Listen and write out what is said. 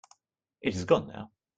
It has gone now.